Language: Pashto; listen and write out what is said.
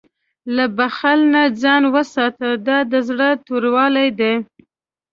له بخل نه ځان وساته، دا د زړه توروالی دی.